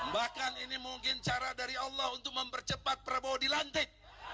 bahkan ini mungkin cara dari allah untuk mempercepat prabowo dilantik